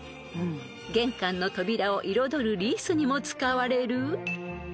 ［玄関の扉を彩るリースにも使われる］